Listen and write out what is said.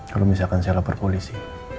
kalau misalkan saya lapor polisi